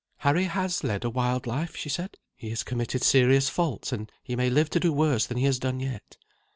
"Harry has led a wild life," she said; "he has committed serious faults, and he may live to do worse than he has done yet.